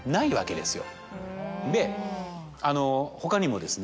で他にもですね